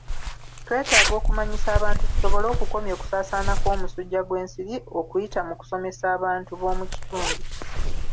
twetaaga okumanyisa abantu tusobole okukomya okusaasaana kw'omusujja gw'ensiri okuyita mu kusomesa abantu b'omu kitundu.